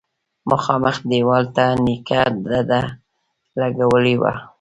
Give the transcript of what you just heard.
مخامخ دېوال ته نيکه ډډه لگولې وه.